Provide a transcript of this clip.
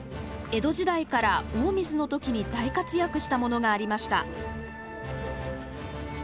江戸時代から大水の時に大活躍したものがありました。